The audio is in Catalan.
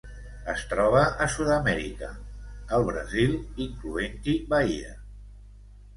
Es troba a Sud-amèrica: el Brasil, incloent-hi Bahia.